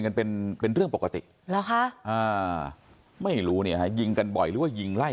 กันเป็นเป็นเรื่องปกติเหรอคะอ่าไม่รู้เนี่ยฮะยิงกันบ่อยหรือว่ายิงไล่